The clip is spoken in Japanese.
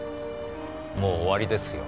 もう終わりですよ。